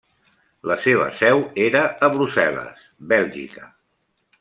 La seva seu era a Brussel·les, Bèlgica.